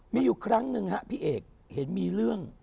มีอยู่ครั้งหนึ่งฮะพี่เอกเห็นมีเรื่อง